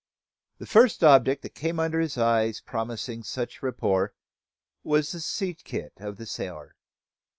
The first object that came under his eyes promising such rapport was the sea kit of the sailor.